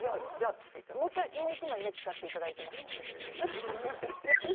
もう１枚使っていただいていましたね。